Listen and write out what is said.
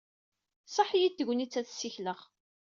Tṣaḥ-iyi-d tegnit ad ssikleɣ.